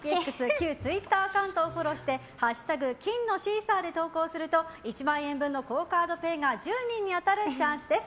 旧ツイッターアカウントをフォローして「＃金のシーサー」で投稿すると１万円分のＱＵＯカードＰａｙが１０人に当たるチャンスです。